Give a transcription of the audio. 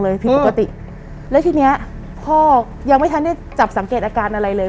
และที่นี้พ่อยังไม่ทันได้จับสังเกตอาการอะไรเลย